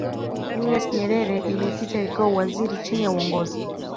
Julius Nyerere Bibi Titi alipewa uwaziri chini ya Uongozi